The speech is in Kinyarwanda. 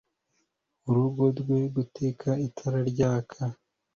murugo rwe gutwika itara ryaka